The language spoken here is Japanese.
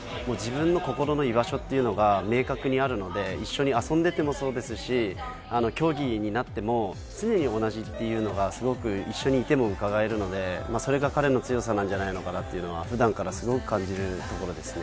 自分の心の居場所が明確にあるので、一緒に遊んでいてもそうですし、競技になっても常に同じというのがすごく一緒にいてもうかがえるので、それが彼の強さなんじゃないのかなと普段からすごく感じます。